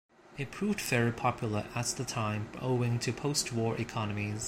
It proved very popular at the time owing to post-war economies.